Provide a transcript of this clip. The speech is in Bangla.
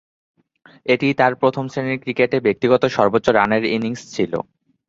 এটিই তার প্রথম-শ্রেণীর ক্রিকেটে ব্যক্তিগত সর্বোচ্চ রানের ইনিংস ছিল।